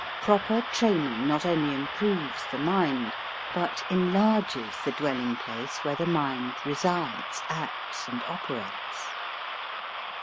Proper training not only improves the mind but enlarges the dwelling place where the mind re sides, acts and operates.